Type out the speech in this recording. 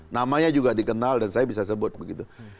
namanya juga dikenal dan saya bisa sebut begitu